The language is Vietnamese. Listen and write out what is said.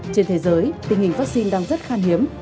trên thế giới tình hình vaccine đang rất khan hiếm